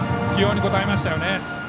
起用に応えましたよね。